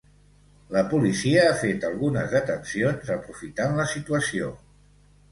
La policia ha fet algunes detencions aprofitant la situació.